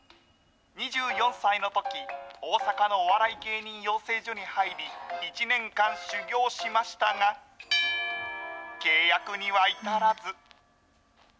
２４歳のとき、大阪のお笑い芸人養成所に入り、１年間修業しましたが、契約には至らず。